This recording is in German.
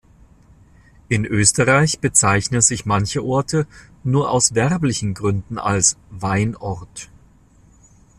In Österreich bezeichnen sich manche Orte nur aus werblichen Gründen als "Weinort".